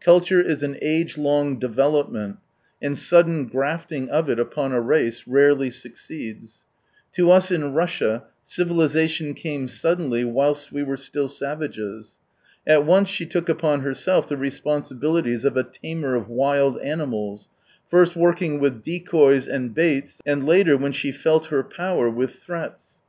Culture is an age long develop ment, and sudden grafting of it upon a race rarely succeeds. To us in Russia, civili sation came suddenly, whilst we were still savages. At once she took upon herself the responsibilities of a tamer of wild animals, first working with decoys and baits, and later, when she felt her power, with threats.